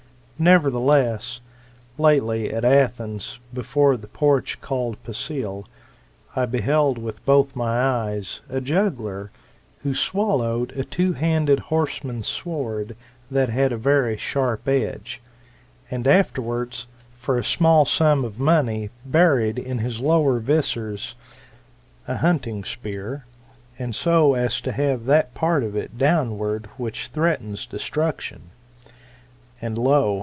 Nevertheless, lately at Athens, before the porch called Pactkf I beheld with both my eyes a juggler, who swallowed a two handed horseman's sword that had a very sharp edge, and afterwards, for a small sum of money, buried In his lowest viscera a hunting spear, and so as to liave that part of it downward which threatens destruction. And lo